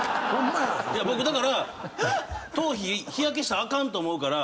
⁉僕だから頭皮日焼けしたらあかんと思うから。